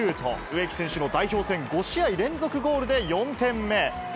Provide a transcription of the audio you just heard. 植木選手の代表戦５試合連続ゴールで４点目。